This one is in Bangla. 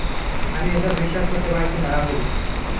আমি এসব বিশ্বাস করতে পারছিনা রাহুল।